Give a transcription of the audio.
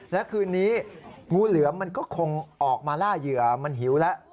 และคืนนี้งูเหลือมมันก็คงออกมาล่าเหยื่อมันหิวแล้ว